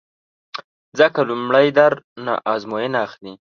ځکه لومړی در نه ازموینه اخلي